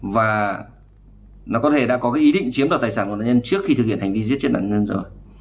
và nó có thể đã có ý định chiếm đọt tài sản của đàn nhân trước khi thực hiện hành vi giết chết đàn nhân rồi